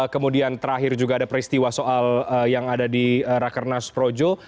kemudian terakhir juga ada peristiwa soal yang ada di rakernas projo